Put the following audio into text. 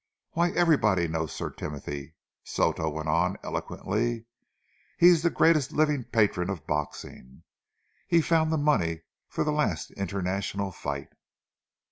"Why, everybody knows Sir Timothy," Soto went on eloquently. "He is the greatest living patron of boxing. He found the money for the last international fight."